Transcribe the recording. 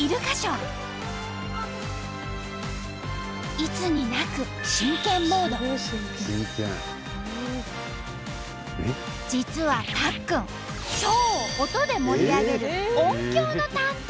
いつになく実はたっくんショーを音で盛り上げる音響の担当。